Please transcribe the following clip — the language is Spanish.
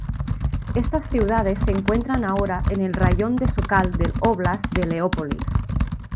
Estas ciudades se encuentran ahora en el raión de Sokal del óblast de Leópolis.